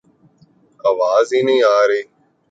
آواز ہی نہیں آرہی